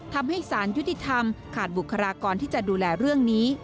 ทำให้สารยุติธรรมขาดบุคลากรที่จะดูแลเรื่องนี้